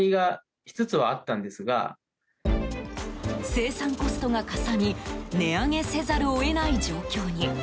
生産コストがかさみ値上げせざるを得ない状況に。